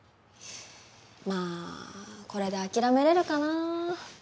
まあこれで諦めれるかな。